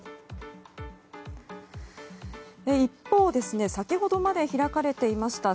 一方、先ほどまで開かれていました